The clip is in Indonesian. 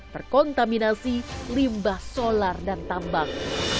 terkontaminasi limbah solar dan tambang